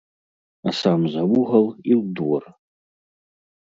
А сам за вугал і ў двор.